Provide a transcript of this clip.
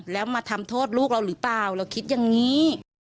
แล้วมาทำโทษลูกเราหรือเปล่าเราคิดอย่างนี้